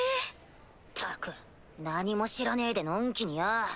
ったく何も知らねぇでのんきによぉ。